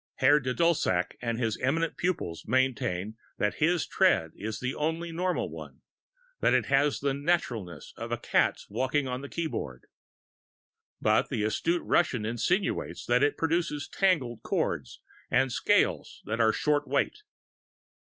Herr Dudelsack and his eminent pupils maintain that his tread is the only normal one, that it has the naturalness of a cat's walking on the keyboard. But the astute Russian insinuates that it produces tangled chords and scales that are short weight.